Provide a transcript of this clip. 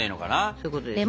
そういうことですね。